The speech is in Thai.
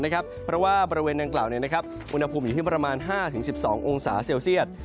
เพราะว่าบริเวณดังกล่าวอุณหภูมิอยู่ที่ประมาณ๕๑๒องศาเซลเซียต